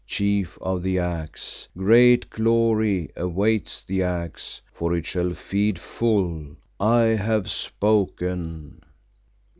Chief of the Axe, great glory awaits the Axe, for it shall feed full. I have spoken."